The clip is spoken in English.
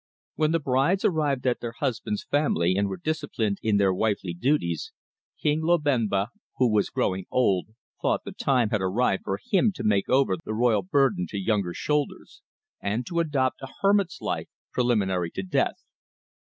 When the brides arrived at their husbands' family and were disciplined in their wifely duties, King Lobenba, who was growing old, thought the time had arrived for him to make over the royal burden to younger shoulders, and to adopt a hermit's life preliminary to death.